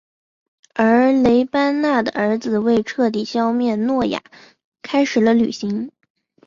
而雷班纳的儿子为彻底消灭诺亚开始了旅行。